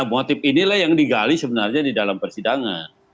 nah motif ini lah yang digali sebenarnya di dalam persidangan